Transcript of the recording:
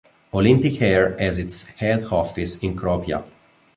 Olympic Air has its head office in Kropia.